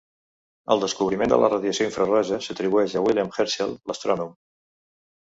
El descobriment de la radiació infraroja s"atribueix a William Herschel, l"astrònom.